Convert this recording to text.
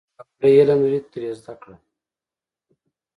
که ګاونډی علم لري، ترې زده کړه